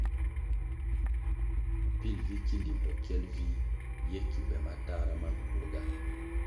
Pil vi ki limbo kyel vih ye ki be matahra ma nkurga.